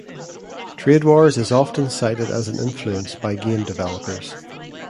TradeWars is often cited as an influence by game developers.